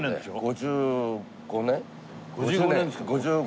５５年ですか。